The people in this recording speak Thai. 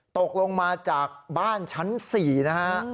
ตกลงมาจากบ้านชั้น๔นะฮะ